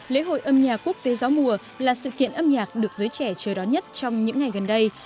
lễ hội âm nhạc quốc tế gió mùa là sự kiện âm nhạc được giới trẻ chờ đón nhất trong những ngày gần đây